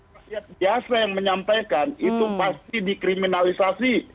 rakyat biasa yang menyampaikan itu pasti dikriminalisasi